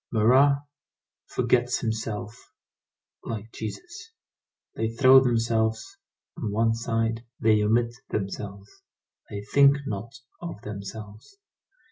Marat forgets himself like Jesus. They throw themselves on one side, they omit themselves, they think not of themselves.